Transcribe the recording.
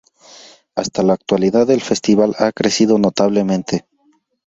Hasta la actualidad el festival ha crecido notablemente.